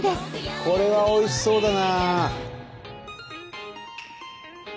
これはおいしそうだな！